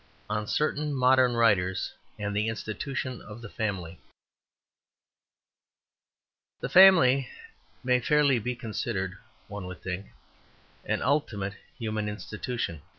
XIV On Certain Modern Writers and the Institution of the Family The family may fairly be considered, one would think, an ultimate human institution.